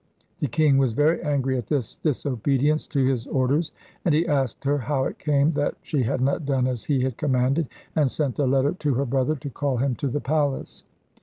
The king was very angry at this disobedience to his orders, and he asked her how it came that she had not done as he had commanded, and sent a letter to her brother to call him to the palace.